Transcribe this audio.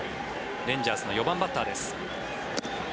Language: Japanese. レンジャーズの４番バッターです。